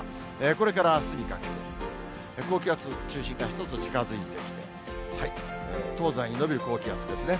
これからあすにかけて、高気圧、中心が一つ近づいてきて、東西に延びる高気圧ですね。